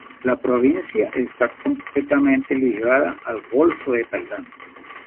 La Provincia está completamente ligada al Golfo de Tailandia.